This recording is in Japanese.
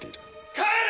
帰れ！